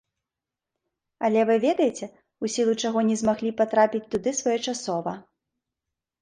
Але вы ведаеце, у сілу чаго не змаглі патрапіць туды своечасова.